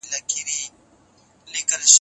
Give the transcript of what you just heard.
نن یې بخت په اسمانو کي مرور دی